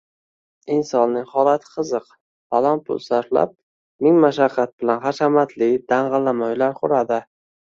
Insonning holati qiziq: falon pul sarflab, ming mashaqqat bilan hashamatli, dang‘illama uylar quradi.